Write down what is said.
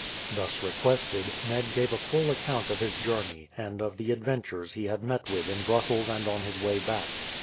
Thus requested, Ned gave a full account of his journey, and of the adventures he had met with in Brussels and on his way back.